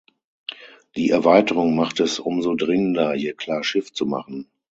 Die Erweiterung macht es umso dringender, hier klar Schiff zu machen.